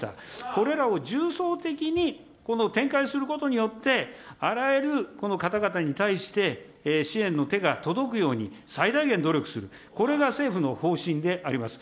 これらを重層的にこの展開することによって、あらゆる方々に対して、支援の手が届くように最大限努力する、これが政府の方針であります。